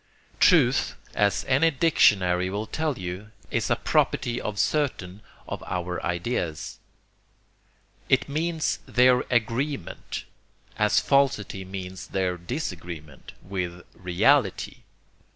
Truth, as any dictionary will tell you, is a property of certain of our ideas. It means their 'agreement,' as falsity means their disagreement, with 'reality.'